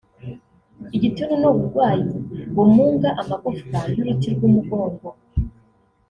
Igituntu ni uburwayi bumunga amagufwa y’uruti rw’umugongo